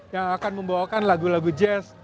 yang akan membawakan lagu lagu jazz